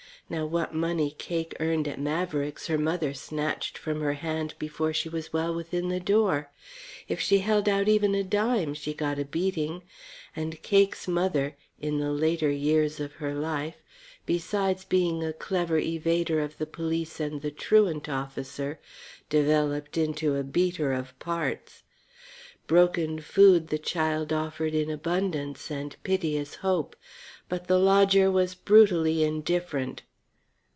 Now what money Cake earned at Maverick's her mother snatched from her hand before she was well within the door. If she held out even a dime, she got a beating. And Cake's mother, in the later years of her life, besides being a clever evader of the police and the truant officer, developed into a beater of parts. Broken food the child offered in abundance and piteous hope. But the lodger was brutally indifferent.